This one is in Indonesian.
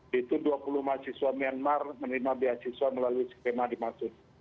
dua puluh beasiswa myanmar menerima beasiswa melalui skema dimaksud